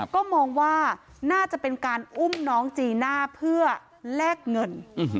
ก็มองว่าน่าจะเป็นการอุ้มน้องจีน่าเพื่อแลกเงิน